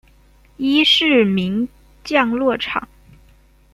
伊是名降落场。